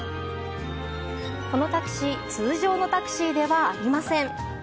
このタクシー通常のタクシーではありません。